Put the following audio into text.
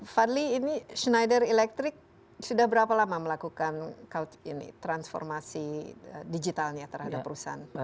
fadli ini schneider electric sudah berapa lama melakukan transformasi digitalnya terhadap perusahaan